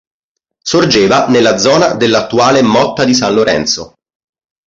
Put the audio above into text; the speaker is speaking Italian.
Sorgeva nella zona dell'attuale Motta di San Lorenzo.